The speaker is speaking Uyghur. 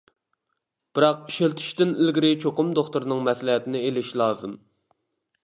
بىراق ئىشلىتىشتىن ئىلگىرى چوقۇم دوختۇرنىڭ مەسلىھەتىنى ئېلىش لازىم.